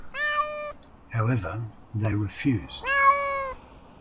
However, they refused.